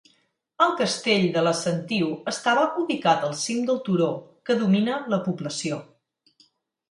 El castell de la Sentiu estava ubicat al cim del turó que domina la població.